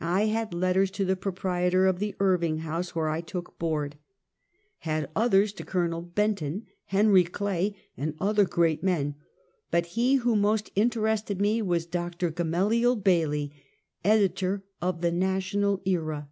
I had letters to the proprietor of the Irving House, where I took board. Had others to Col. Benton, Hen ry Clay, and other great men, but he who most inte rested me was Dr. Gamaliel Bailey, editor of theJVa tional Era.